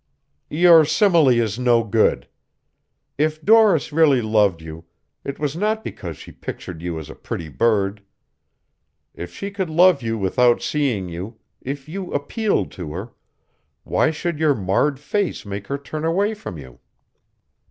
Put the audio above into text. "Your simile is no good. If Doris really loved you, it was not because she pictured you as a pretty bird. If she could love you without seeing you, if you appealed to her, why should your marred face make her turn away from you?"